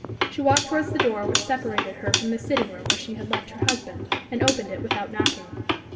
She walked towards the door which separated her from the sitting room where she had left her husband, and opened it without knocking.